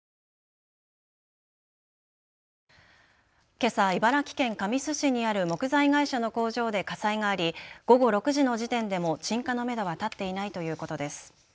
けさ茨城県神栖市にある木材会社の工場で火災があり午後６時の時点でも鎮火のめどは立っていないということです。